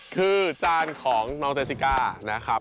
คือจานของน้องเจซิก้านะครับ